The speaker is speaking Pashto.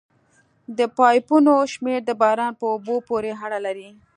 د پایپونو شمېر د باران په اوبو پورې اړه لري